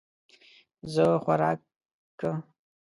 زۀ خواروک کۀ